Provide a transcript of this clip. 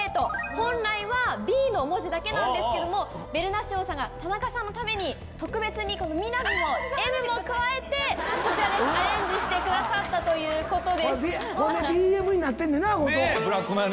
本来は「Ｂ」の文字だけなんですけどもベルナシオンさんが田中さんのために特別にみな実の「Ｍ」も加えてアレンジしてくださったということです。